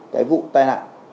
cái vụ tai nạn